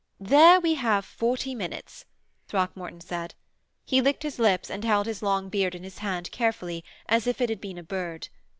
'There we have forty minutes,' Throckmorton said. He licked his lips and held his long beard in his hand carefully, as if it had been a bird.